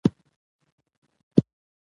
ټولنه هغه وخت پرمختګ کوي چې خلک سره همکاره وي